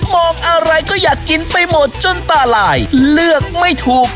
มองอะไรก็อยากกินไปหมดจนตาลายเลือกไม่ถูก